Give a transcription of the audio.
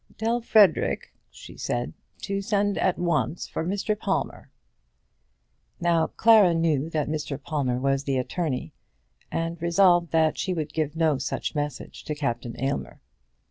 "Tell Frederic," she said, "to send at once for Mr. Palmer." Now Clara knew that Mr. Palmer was the attorney, and resolved that she would give no such message to Captain Aylmer.